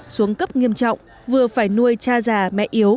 xuống cấp nghiêm trọng vừa phải nuôi cha già mẹ yếu